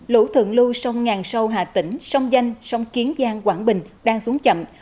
lũ thượng lưu sông ngàn sâu hà tĩnh sông danh sông kiến giang quảng bình đang xuống chậm